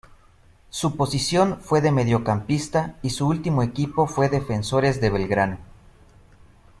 Su posición fue de mediocampista y su último equipo fue Defensores de Belgrano.